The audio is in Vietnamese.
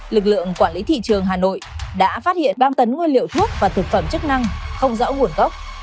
lực lượng quản lý thị trường hà nội đã phát hiện ba tấn nguyên liệu thuốc và thực phẩm chức năng không rõ nguồn gốc